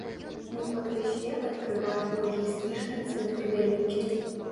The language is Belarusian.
Мы пакрысе адкрываем лагістычны цэнтр вялікі.